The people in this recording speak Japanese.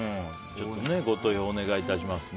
ご投票お願いいたしますね。